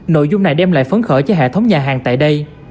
nội dung này đem lại phấn khởi cho hệ thống nhà hàng tại đây